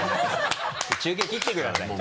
中継切ってください。